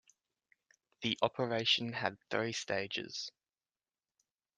The operation had three stages.